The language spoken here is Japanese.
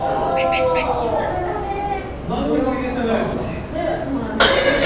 何も入れていないのに。